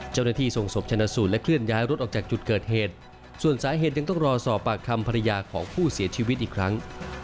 เจ้าหน้าที่ส่งศพชนะสูตรและเคลื่อนย้ายรถออกจากจุดเกิดเหตุส่วนสาเหตุยังต้องรอสอบปากคำภรรยาของผู้เสียชีวิตอีกครั้ง